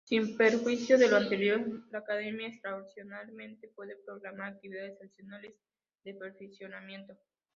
Sin perjuicio de lo anterior, la Academia, extraordinariamente puede programar actividades adicionales de perfeccionamiento.